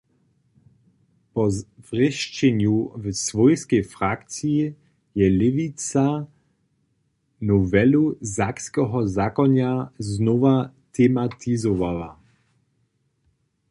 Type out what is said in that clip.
Po zwrěšćenju w swójskej frakciji je Lěwica nowelu sakskeho zakonja znowa tematizowała.